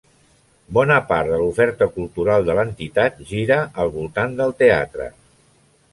Bona part de l'oferta cultural de l'entitat gira al voltant del teatre.